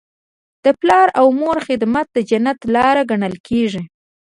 د پلار او مور خدمت د جنت لاره ګڼل کیږي.